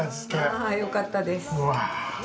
あぁよかったです。